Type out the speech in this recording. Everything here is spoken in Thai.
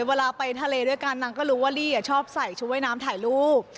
เวลาไปทะเลด้วยกันนางก็รู้ว่าลี่ชอบใส่ชุดว่ายน้ำถ่ายรูป